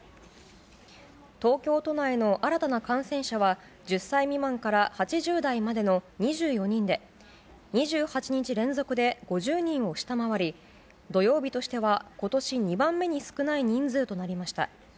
東京都内の新たな感染者は１０歳未満から８０代までの２４人で２８日連続で５０人を下回り土曜日としては今年２番目に少ない人数となりました。